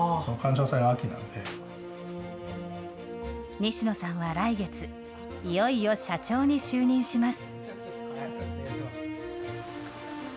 西野さんは来月、いよいよ社長に就任します。